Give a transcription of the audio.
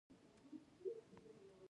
محصل باید په ښه ډول تعامل وکړي.